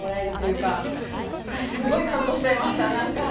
私すごい感動しちゃいました何か。